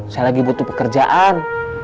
saya lagi butuh pekerjaan